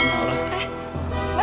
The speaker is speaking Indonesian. aku sangat merindu untuk kamu